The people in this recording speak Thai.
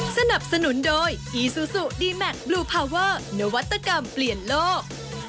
สนับสนุนโดยอีซูซูดีแมคบลูพาเวอร์นวัตกรรมเปลี่ยนโลก